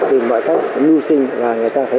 tìm mọi cách lưu sinh và người ta thấy